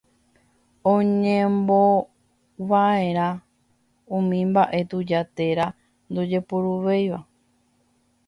oñemombova'erã umi mba'e tuja térã ndojepuruvéiva